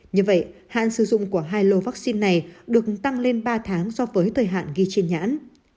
như vậy hạn sử dụng của hai lô vaccine này được tăng lên ba tháng so với thời hạn ghi trên nhãn